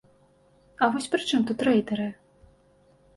А вось пры чым тут рэйдэры?